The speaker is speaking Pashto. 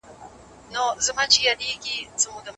حقیقي عاید په چټکۍ سره نه بدلیږي.